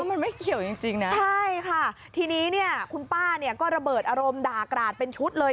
มันไม่เกี่ยวจริงนะใช่ค่ะทีนี้เนี่ยคุณป้าเนี่ยก็ระเบิดอารมณ์ด่ากราดเป็นชุดเลย